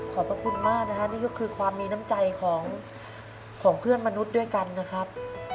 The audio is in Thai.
ขอบพระคุณมากนะฮะนี่ก็คือความมีน้ำใจของเพื่อนมนุษย์ด้วยกันนะครับ